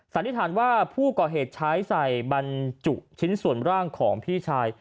สันนิษฐานว่าผู้ก่อเหตุใช้ใส่บรรจุชิ้นส่วนร่างของพี่ชาย